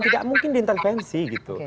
tidak mungkin diintervensi gitu